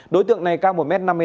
đối tượng này cao một m năm mươi tám